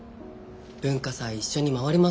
「文化祭一緒に回りませんか」